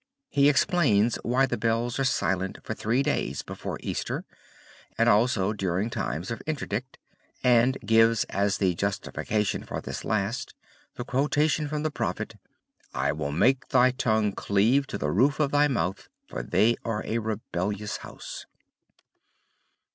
He explains why the bells are silent for three days before Easter and also during times of interdict, and gives as the justification for this last the quotation from the Prophet "I WILL MAKE THY TONGUE CLEAVE TO THE ROOF OF THY MOUTH FOR THEY ARE A REBELLIOUS HOUSE."